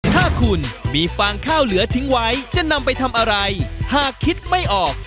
ถ้าคุณมีฟางข้าวเหลือทิ้งไว้จะนำไปทำอะไรหากคิดไม่ออก